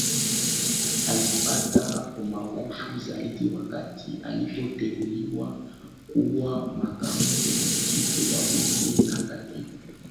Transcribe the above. Alipata umaarufu zaidi wakati alipoteuliwa kuwa Makamu Mwenyekiti wa Bunge la Katiba